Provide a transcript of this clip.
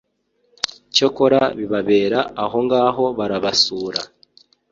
cyakora bibera ahongaho barabasura,